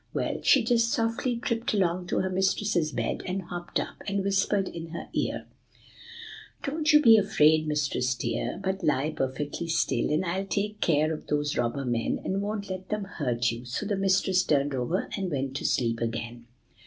Well, she just softly tripped along to her mistress's bed, and hopped up, and whispered in her ear, 'Don't you be afraid, mistress dear, but lie perfectly still, and I'll take care of those robber men, and won't let them hurt you;' so the mistress turned over, and went to sleep again."